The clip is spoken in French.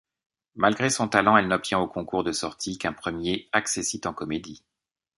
Malgré son talent, elle n'obtient au concours de sortie qu'un premier accessit en comédie.